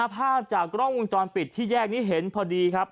ภาพจากกล้องวงจรปิดที่แยกนี้เห็นพอดีครับ